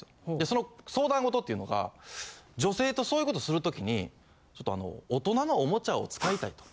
その相談事っていうのが女性とそういうことするときに大人のおもちゃを使いたいと。